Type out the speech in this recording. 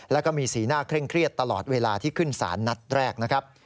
แล้วก็มีสีหน้าเคร่งเครียดตลอดเวลาที่ขึ้นสารนัดแรกนะครับ